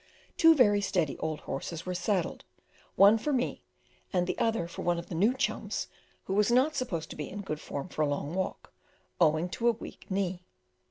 Two very steady old horses were saddled, one for me and the other for one of the "new chums," who was not supposed to be in good form for a long walk, owing to a weak knee.